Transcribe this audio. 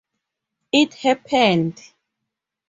It happened.